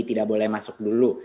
tidak boleh masuk dulu